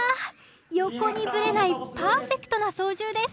横にブレないパーフェクトな操縦です